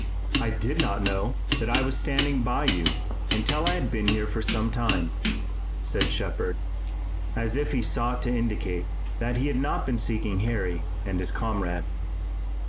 "I did not know that I was standing by you until I had been here some time," said Shepard, as if he sought to indicate that he had not been seeking Harry and his comrade.